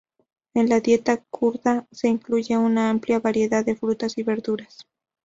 En la dieta kurda se incluye una amplia variedad de frutas y verduras.